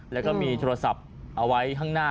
แล้วก็มีโทรศัพท์เอาไว้ข้างหน้า